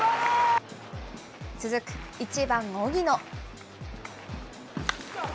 続く１番荻野。